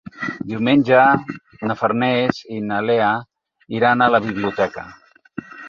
Diumenge na Farners i na Lea iran a la biblioteca.